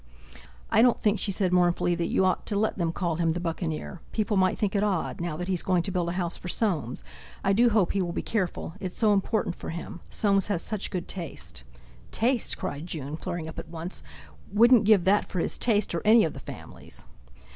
"I don't think," she said mournfully, "that you ought to let them call him 'The Buccaneer'; people might think it odd, now that he's going to build a house for Soames. I do hope he will be careful; it's so important for him. Soames has such good taste!" "Taste!" cried June, flaring up at once; "wouldn't give that for his taste, or any of the family's!"